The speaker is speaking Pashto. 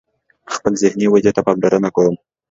خپلی ذهنی ودي ته پاملرنه کوم